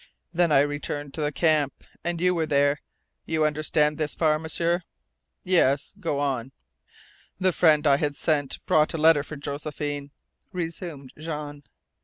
Then I returned to the camp and you were there. You understand this far, M'sieur?" "Yes. Go on." "The friend I had sent brought a letter for Josephine," resumed Jean.